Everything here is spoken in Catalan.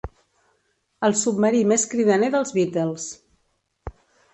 El submarí més cridaner dels Beatles.